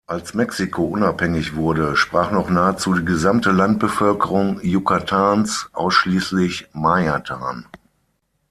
Als Mexiko unabhängig wurde, sprach noch nahezu die gesamte Landbevölkerung Yucatáns ausschließlich Mayathan.